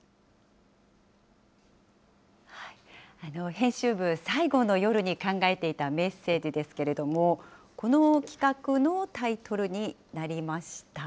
編集部最後の夜に考えていたメッセージですけれども、この企画のタイトルになりました。